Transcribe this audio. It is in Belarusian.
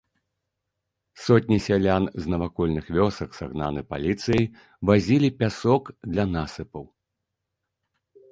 Сотні сялян з навакольных вёсак, сагнаных паліцыяй, вазілі пясок для насыпаў.